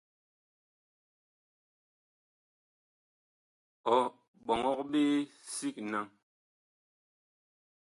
Ɔ ɓɔŋɔg ɓe sig naŋ.